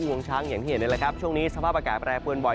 ปรุงชั้นอย่างเห็นเลยช่วงนี้สภาพอากาศแปรเปือนบ่อย